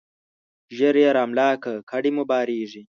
ژر يې را ملا که ، کډي مو بارېږي.